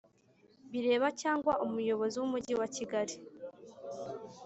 bireba cyangwa Umuyobozi w Umujyi wa Kigali